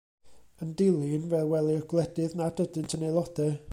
Yn dilyn, fe welir gwledydd nad ydynt yn aelodau.